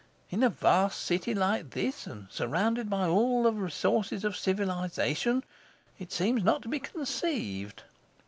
In a vast city like this, and surrounded by all the resources of civilization, it seems not to be conceived!